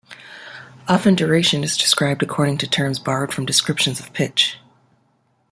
Often duration is described according to terms borrowed from descriptions of pitch.